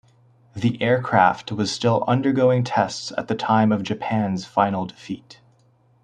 The aircraft was still undergoing tests at the time of Japan's final defeat.